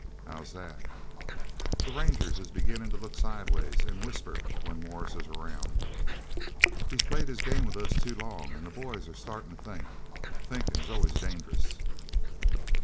"How's that?" "The rangers is beginnin' to look sidewise an' whisper when Morris is around. He's played his game with us too long, an' the boys are startin' to think. Thinkin' is always dangerous."